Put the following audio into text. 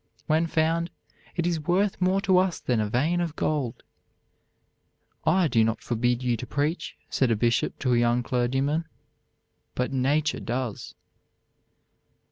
When found, it is worth more to us than a vein of gold. "I do not forbid you to preach," said a Bishop to a young clergyman, "but nature does."